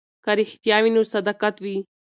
که رښتیا وي نو صداقت وي.